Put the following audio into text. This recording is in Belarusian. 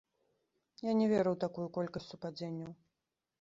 Я не веру ў такую колькасць супадзенняў.